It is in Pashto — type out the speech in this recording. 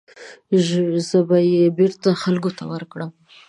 زه به یې بېرته خلکو ته ورکړم.